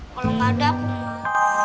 kalau gak ada aku mau